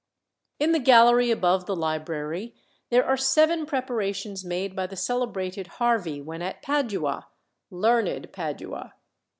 In the gallery above the library there are seven preparations made by the celebrated Harvey when at Padua "learned Padua."